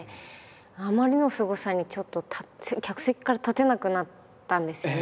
あまりのすごさにちょっと客席から立てなくなったんですよね。